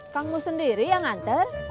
kang mus sendiri yang nganter